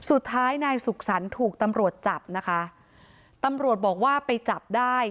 สุดท้ายนายสุขสรรค์ถูกตำรวจจับนะคะตำรวจบอกว่าไปจับได้